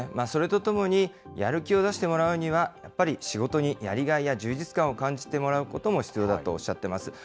それとともに、やる気を出してもらうには、やっぱり仕事にやりがいや充実感を感じてもらうことも必要だとおっしゃってます。